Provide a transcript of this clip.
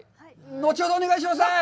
後ほどお願いします！